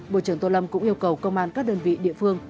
bộ trưởng tô lâm cũng yêu cầu công an các đơn vị địa phương